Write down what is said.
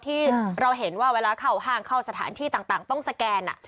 ที่เราเห็นว่าเวลาเข้าห้างเข้าสถานที่ต่างต้องสแกน